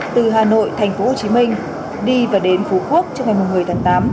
từ hà nội tp hcm đi và đến phú quốc trước ngày một mươi tháng tám